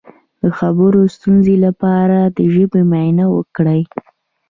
د خبرو د ستونزې لپاره د ژبې معاینه وکړئ